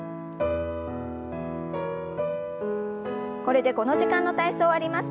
これでこの時間の体操終わります。